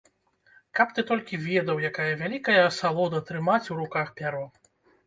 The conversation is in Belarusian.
Каб ты толькі ведаў, якая вялікая асалода трымаць у руках пяро.